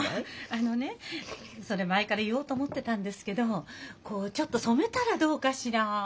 あのねそれ前から言おうと思ってたんですけどこうちょっと染めたらどうかしら？